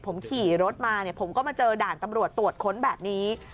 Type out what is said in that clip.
ผมขี่รถมาเนี่ยผมก็มาเจอด่านตำรวจตรวจค้นแบบนี้